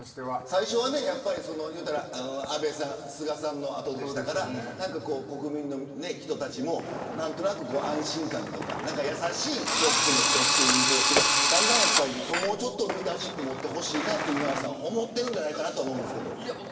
最初は安倍さん、菅さんの後でしたから国民の人たちも何となく安心感とか優しいトップの人という印象ですけれどだんだん、もっとリーダーシップ欲しいと思っているんじゃないかなと思うんですけど。